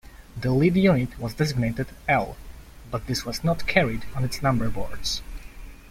The lead unit was designated 'L', but this was not carried on its numberboards.